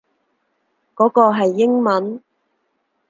嗰個係英文